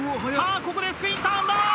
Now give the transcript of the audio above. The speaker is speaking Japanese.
ここでスピンターンだ！